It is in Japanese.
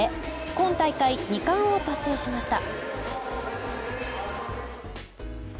今大会２冠を達成しました。